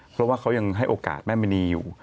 เพราะว่าเขายังให้โอกาสแม่มณีอยู่